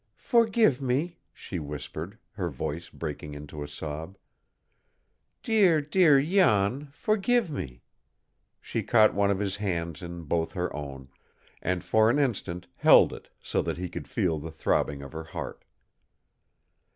"Forgive me!" she whispered, her voice breaking into a sob. "Dear, dear Jan, forgive me!" She caught one of his hands in both her own, and for an instant held it so that he could feel the throbbing of her heart.